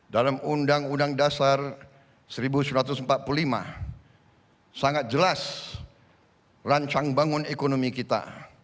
dalam undang undang dasar seribu sembilan ratus empat puluh lima sangat jelas rancang bangun ekonomi kita